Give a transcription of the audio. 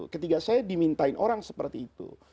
ketika saya dimintain orang seperti itu